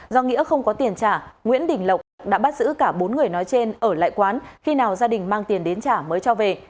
do nghĩa không có tiền trả nguyễn đình lộc đã bắt giữ cả bốn người nói trên ở lại quán khi nào gia đình mang tiền đến trả mới cho về